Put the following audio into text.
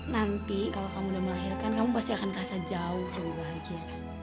nanti kalau kamu udah melahirkan kamu pasti akan rasa jauh lebih bahagia